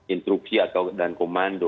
intruksi dan komando